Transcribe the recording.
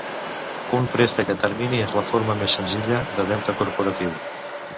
Un préstec a termini és la forma més senzilla de deute corporatiu.